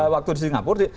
waktu di singapura